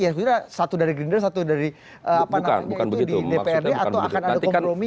ya sebetulnya satu dari grinder satu dari dpd atau akan ada kompromi